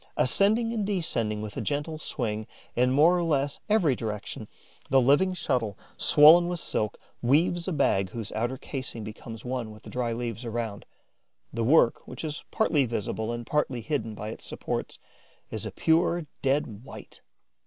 Ascending and descending with a gentle swing in more or less every direction, the living shuttle, swollen with silk, weaves a bag whose outer casing becomes one with the dry leaves around. The work, which is partly visible and partly hidden by its supports, is a pure dead white.